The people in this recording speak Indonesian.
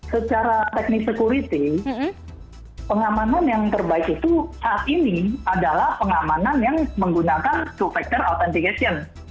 secara teknis security pengamanan yang terbaik itu saat ini adalah pengamanan yang menggunakan two factor authentication